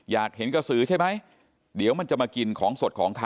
อยากเห็นกระสือใช่ไหมเดี๋ยวมันจะมากินของสดของเขา